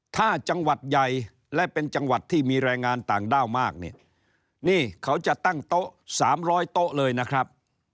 ถ้าจังหวัดใหญ่และเป็นจังหวัดที่มีแรงงานต่างด้าวมากเนี่ยนี่เขาจะตั้งโต๊ะ๓๐๐โต๊ะเลยนะครับ